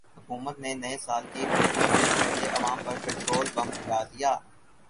حکومت نے نئے سال کی خوشیوں سے پہلے عوام پر پیٹرول بم گرا دیا